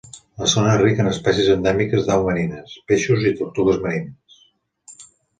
La zona és rica en espècies endèmiques d'aus marines, peixos i tortugues marines.